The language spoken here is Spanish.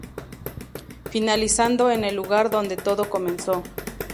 Finalizando en el lugar donde todo comenzó.